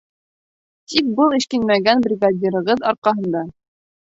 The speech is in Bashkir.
Тик был эшкинмәгән бригадирығыҙ арҡаһында...